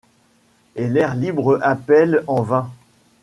Et l'air libre appellent en vain